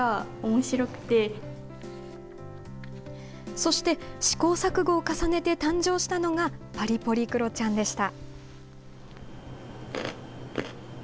そして試行錯誤を重ねて誕生したのがパリポリくろちゃんでした。